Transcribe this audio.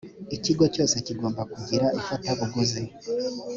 ikigo cyose kigomba kugira ifatabuguzi.